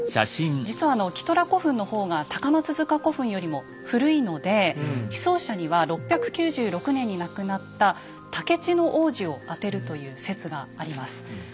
実はキトラ古墳の方が高松塚古墳よりも古いので被葬者には６９６年に亡くなった高市皇子をあてるという説があります。